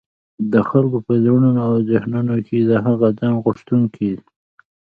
د خلګو په زړونو او ذهنونو کي د هغه ځان غوښتونکي